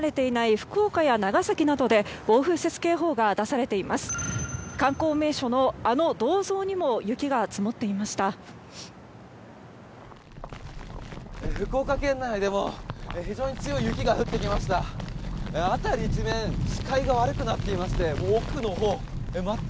福岡県内でも非常に強い雪が降ってきました。